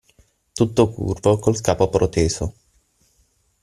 Tutto curvo, col capo proteso.